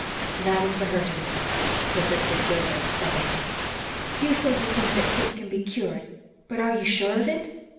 "That is for her to decide," persisted Gilbert stubbornly. "You say you think that Dick can be cured. But are you SURE of it?"